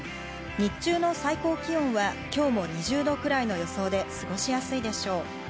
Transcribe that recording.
日中の最高気温は今日も２０度くらいの予想で過ごしやすいでしょう。